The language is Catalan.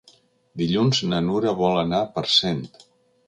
Dilluns na Nura vol anar a Parcent.